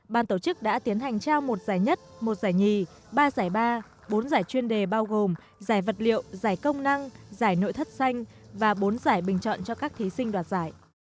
ban tổ chức đã tiến hành trao một giải nhất một giải nhì ba giải ba bốn giải chuyên đề bao gồm giải vật liệu giải công năng giải nội thất xanh và bốn giải bình chọn cho các thí sinh đoạt giải